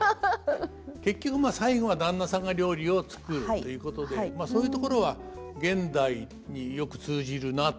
結局最後は旦那さんが料理を作るということでそういうところは現代によく通じるなというふうに思いますね。